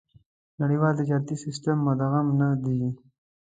نړيوال تجارتي سېسټم مدغم نه دي.